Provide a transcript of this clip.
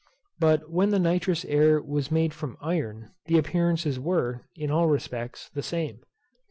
But when the nitrous air was made from iron, the appearances were, in all respects, the same.